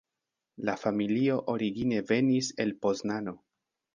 La familio origine venis el Poznano.